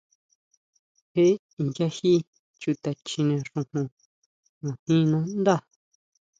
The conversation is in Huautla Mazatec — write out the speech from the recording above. ¿Jé inchají chuta chjine xujun ngajin nandá?